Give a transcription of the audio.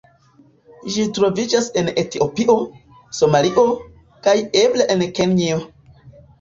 Ĝi troviĝas en Etiopio, Somalio, kaj eble en Kenjo.